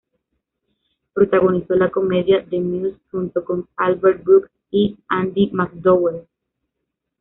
Protagonizó la comedia "The Muse" junto con Albert Brooks y Andie MacDowell.